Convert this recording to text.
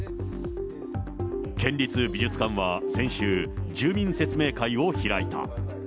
県立美術館は先週、住民説明会を開いた。